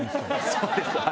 そうです。